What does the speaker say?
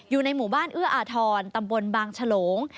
อยู่ในหมู่บ้านเอื้ออาทรตำบลบางฉลง